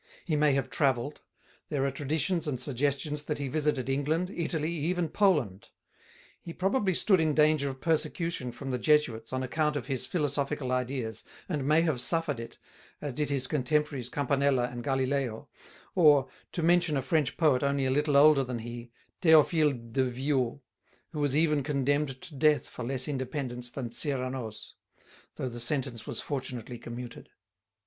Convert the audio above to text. He may have travelled; there are traditions and suggestions that he visited England, Italy, even Poland. He probably stood in danger of persecution from the Jesuits on account of his philosophical ideas, and may have suffered it, as did his contemporaries Campanella and Galileo, or, to mention a French poet only a little older than he, Théophile de Viau, who was even condemned to death for less independence than Cyrano's; though the sentence was fortunately commuted.